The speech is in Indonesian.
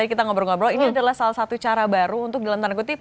ini adalah salah satu cara baru untuk dalam tanda kutip